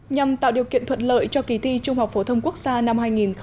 nhằm tạo điều kiện thuận lợi cho kỳ thi trung học phổ thông quốc gia năm hai nghìn một mươi chín